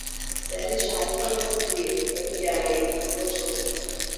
Imetayarishwa na Kennes Bwire, Sauti ya America, Washington